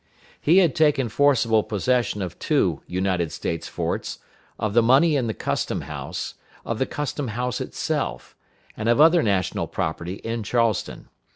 He had taken forcible possession of two United States forts, of the money in the custom house, of the custom house itself, and of other national property in Charleston.